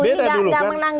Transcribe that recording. beda dulu kan